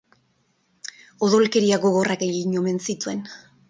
Odolkeria gogorrak egin omen zituen.